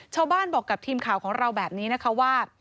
ชาวบ้านบอกกับทีมข่าวของเราแบบนี้นะคะว่า